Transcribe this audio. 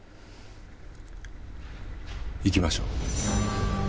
行きましょう。